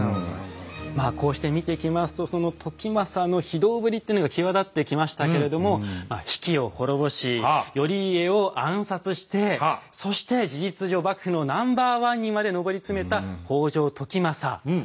こうして見ていきますとその時政の非道ぶりっていうのが際立ってきましたけれども比企を滅ぼし頼家を暗殺してそして事実上幕府のナンバーワンにまで上り詰めた北条時政なんですけれども。